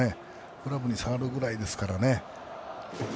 グラブに触るぐらいですからね。